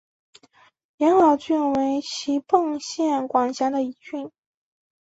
养老郡为岐阜县管辖的一郡。